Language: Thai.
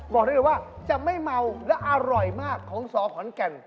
บอกได้เลยว่าจะไม่เมาและอร่อยมากของสอขอนแก่น